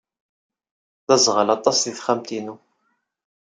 D aẓɣal aṭas deg texxamt-inu.